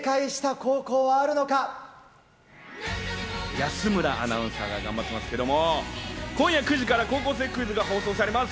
安村アナウンサーが頑張ってますけれども、今夜９時から『高校生クイズ』が放送されます。